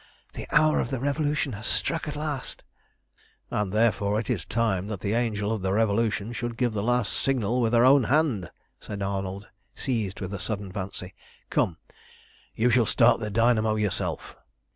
The hour of the Revolution has struck at last" "And therefore it is time that the Angel of the Revolution should give the last signal with her own hand!" said Arnold, seized with a sudden fancy, "Come, you shall start the dynamo yourself."